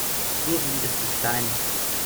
Susi ist zu klein.